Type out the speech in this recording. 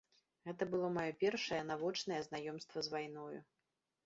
Гэта было маё першае навочнае знаёмства з вайною.